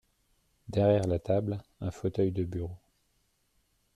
Derrière la table, un fauteuil de bureau.